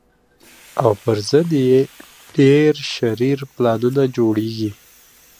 او پر ضد یې ډېر شرير پلانونه جوړېږي